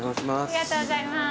ありがとうございます。